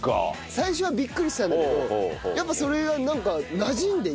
最初はビックリしたんだけどやっぱそれがなんかなじんでいって。